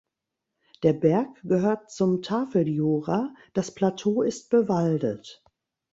Der Berg gehört zum Tafeljura, das Plateau ist bewaldet.